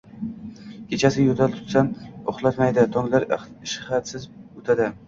Kechalari yo'tal tutsa, uxlatmaydi. Tonglar ishtaxasiz turadi.